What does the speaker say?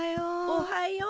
おはよう。